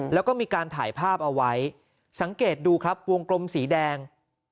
แล้วก็มีการถ่ายภาพเอาไว้สังเกตดูครับวงกลมสีแดง